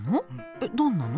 えっどんなの？